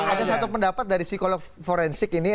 ada satu pendapat dari psikolog forensik ini